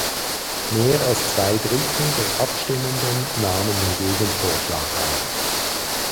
Mehr als zwei Drittel der Abstimmenden nahmen den Gegenvorschlag an.